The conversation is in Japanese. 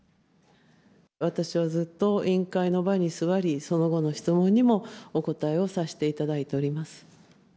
私はずっと委員会の場に座り、その後の質問にもお答えをさせていただいております。